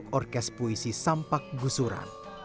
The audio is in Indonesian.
orkes puisi sampak gusuran